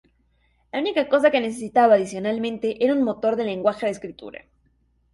La única cosa que necesitaba adicionalmente era un motor de lenguaje de escritura.